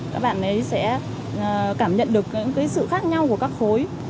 các bạn ấy sẽ cảm nhận được những sự khác nhau của các khối